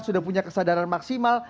sudah punya kesadaran maksimal